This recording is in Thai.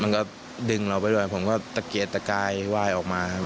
มันก็ดึงเราไปด้วยผมก็ตะเกียดตะกายวายออกมาครับ